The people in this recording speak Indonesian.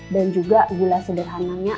dan juga gula sederhananya